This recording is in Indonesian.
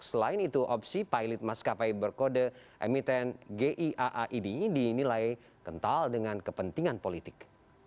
selain itu opsi pilot maskapai berkode emiten giaa ini dinilai kental dengan kepentingan politik